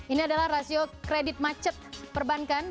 ini adalah rasio kredit macet perbankan